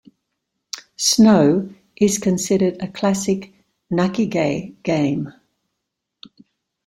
"Snow" is considered a classic "nakige" game.